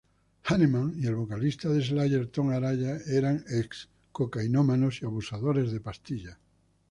Hanneman y el vocalista de Slayer Tom Araya eran ex-cocainómanos y abusadores de pastillas.